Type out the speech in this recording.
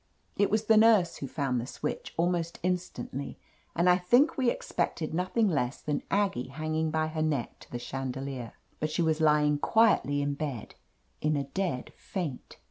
It was the nurse who found the switch almost instantly, and I think we ex pected nothing less than Aggie hanging by her neck to the chandelier. But she was lying quietly in bed, in a dead faint.